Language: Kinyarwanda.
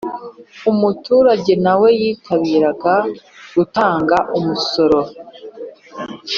umuturage nawe yitabiraga gutanga imisoro,